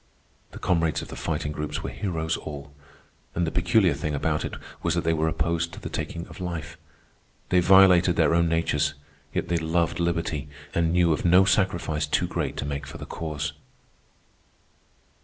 The comrades of the Fighting Groups were heroes all, and the peculiar thing about it was that they were opposed to the taking of life. They violated their own natures, yet they loved liberty and knew of no sacrifice too great to make for the Cause.